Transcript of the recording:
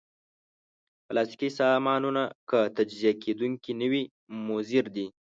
پلاستيکي سامانونه که تجزیه کېدونکي نه وي، مضر دي.